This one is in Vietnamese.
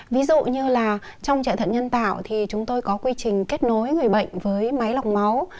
ví dụ như là trong chạy thận nhân tạo thì chúng tôi có quy trình kết nối người bệnh với máy lọc máu